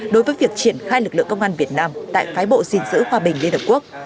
đối với việc triển khai lực lượng công an việt nam tại phái bộ dình giữ hòa bình liên hợp quốc